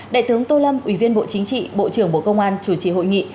đại tướng tô lâm ủy viên bộ chính trị bộ trưởng bộ công an chủ trì hội nghị